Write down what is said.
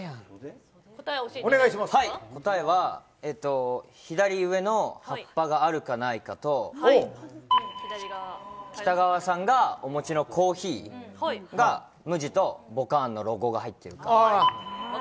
答えは左上の葉っぱがあるかないかと北川さんがお持ちのコーヒーが無地とボカーンのロゴが入ってるか。